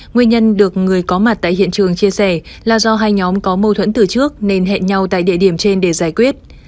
nguyên nhân được người có mặt tại hiện trường chia sẻ là do hai nhóm có mâu thuẫn từ trước nên hẹn nhau tại địa điểm trên để giải quyết